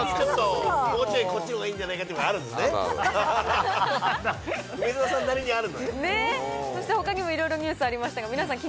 もうちょいこっちのほうがいいんじゃないかっていうのはあるあるある。